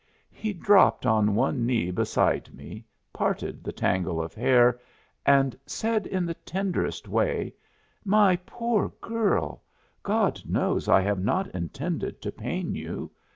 He dropped on one knee beside me, parted the tangle of hair and said in the tenderest way: "My poor girl, God knows I have not intended to pain you.